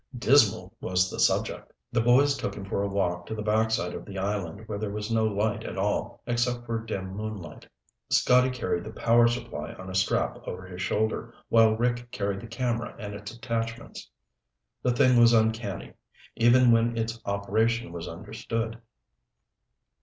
Dismal was the subject. The boys took him for a walk to the backside of the island where there was no light at all except for dim moonlight. Scotty carried the power supply on a strap over his shoulder while Rick carried the camera and its attachments. The thing was uncanny, even when its operation was understood.